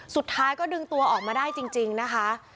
สุดท้ายก็ดึงตัวออกมาได้จริงนะคะ